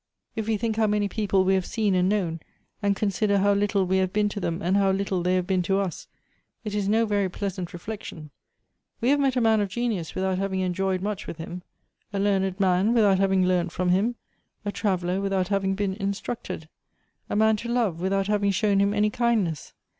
If we think how many people we have seen and known, and consider how little we have been to them and how little they have been to us, it is no very pleasant reflection. We have met a man of genius without having enjoyed much with him, — a learned man without having leamt fi'om him, — a traveller without having been instructed, — a man to love without having shown him any kind ness.